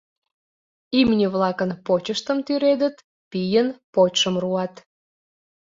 Имне-влакын почыштым тӱредыт, пийын почшым руат.